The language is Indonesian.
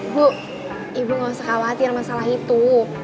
bu ibu gak usah khawatir masalah itu